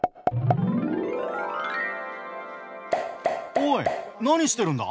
おい何してるんだ？